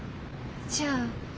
じゃあ。